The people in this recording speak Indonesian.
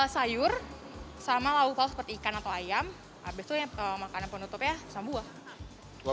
sayur sama laukal seperti ikan atau ayam abis itu makanan penutupnya sama buah